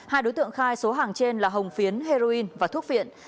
hai đối tượng khai số hàng trên là hồng phiến heroin và thuốc viện